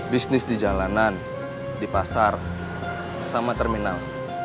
bisnis di jalanan di pasar sama terminal